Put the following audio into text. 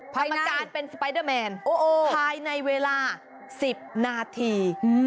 กรรมการเป็นสไปเดอร์แมนภายในเวลา๑๐นาที